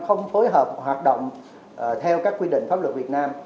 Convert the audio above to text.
không phối hợp hoạt động theo các quy định pháp luật việt nam